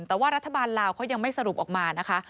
แต่ว่ารัฐบาลลาวเขายังไม่สรุปออกมานะคะ